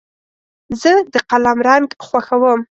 زه د قلم رنګ خوښوم.